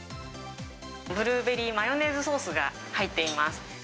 ブルーベリーマヨネーズソースが入っています。